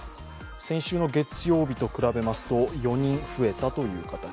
先週の月曜日と比べますと４人増えたという形。